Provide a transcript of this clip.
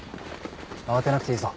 慌てなくていいぞ。